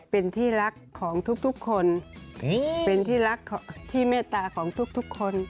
เป็นที่รักของทุกคนเป็นที่รักที่เมตตาของทุกคน